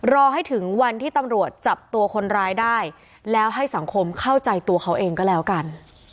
รอให้ถึงวันที่ตำรวจจับตัวคนร้ายได้แล้วให้สังคมเข้าใจตัวเขาเองก็แล้วกัน